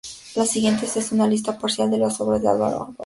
La siguiente es una lista parcial de las obras de Álvaro d'Ors